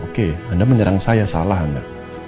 oke anda menyerang saya salah anda